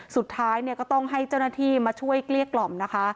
สุดท้ายเนี่ยก็ต้องให้เจ้าหน้าที่มาช่วยเกลี้ยกล่อมนะคะ